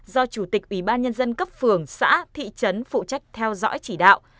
do chủ tịch ủy ban nhân dân cấp phường xã thị trấn phụ trách theo dõi chỉ đạo